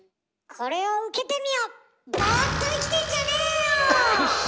これを受けてみよ！